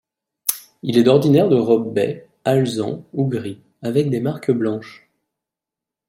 Il est d'ordinaire de robe bai, alezan, ou gris, avec des marques blanches.